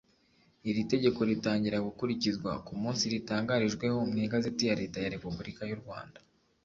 iri tegeko ritangira gukurikizwa ku munsi ritangarijweho mu igazeti ya leta ya repubulika y’u rwanda.